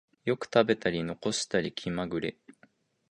よく食べたり残したり気まぐれ